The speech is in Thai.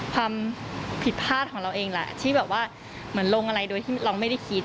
ความผิดพลาดของเราเองแหละที่แบบว่าเหมือนลงอะไรโดยที่เราไม่ได้คิด